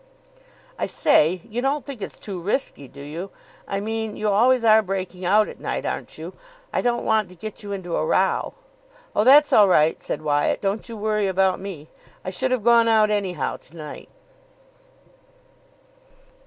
"I say, you don't think it's too risky, do you? I mean, you always are breaking out at night, aren't you? I don't want to get you into a row." "Oh, that's all right," said Wyatt. "Don't you worry about me. I should have gone out anyhow to night."